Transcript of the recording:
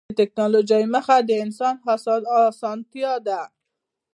د ټکنالوجۍ موخه د انسان اسانتیا ده.